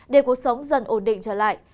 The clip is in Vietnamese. để cuộc sống dần ổn định trở lại